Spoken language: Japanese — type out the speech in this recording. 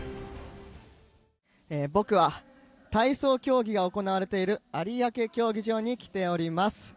僕は体操競技が行われている有明競技場に来ております。